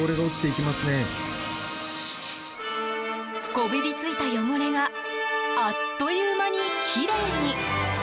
こびり付いた汚れがあっという間にきれいに。